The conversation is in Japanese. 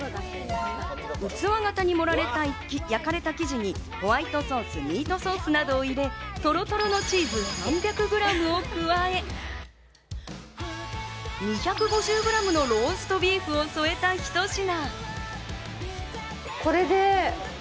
器型に焼かれた生地にホワイトソース、ミートソースなどを入れ、トロトロのチーズ３００グラムを加え、２５０グラムのローストビーフを添えたひと品。